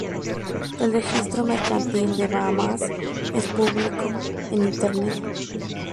El registro mercantil de Bahamas es público en internet.